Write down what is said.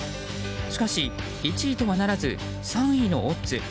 しかし、１位とはならず３位のオッズ。